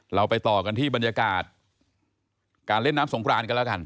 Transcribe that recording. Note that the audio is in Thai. เราไปต่อกันที่บรรยากาศการเล่นน้ำสงครานกันแล้วกัน